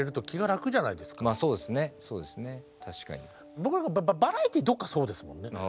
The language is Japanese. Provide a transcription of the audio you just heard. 僕なんかバラエティーどっかそうですもんね。